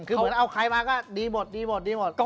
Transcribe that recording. เอาใครมาก็ดีหมด